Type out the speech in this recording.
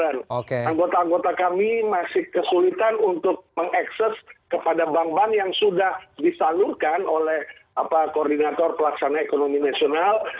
anggota anggota kami masih kesulitan untuk mengakses kepada bank bank yang sudah disalurkan oleh koordinator pelaksana ekonomi nasional